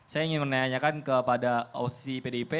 saya ingin menanyakan kepada opsi pdip